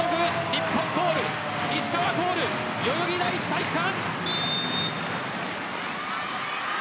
日本コール、石川コール代々木第一体育館。